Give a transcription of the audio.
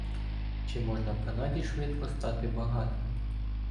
Чи можна в Канаді швидко стати багатим?